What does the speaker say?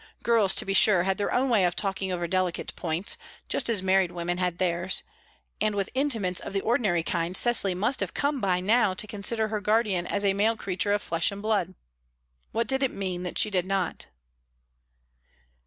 Girls, to be sure, had their own way of talking over delicate points, just as married women had theirs, and with intimates of the ordinary kind Cecily must have come by now to consider her guardian as a male creature of flesh and blood. What did it mean, that she did not?